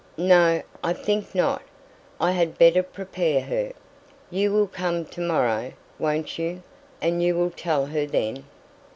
"No! I think not. I had better prepare her. You will come to morrow, won't you? and you will tell her then."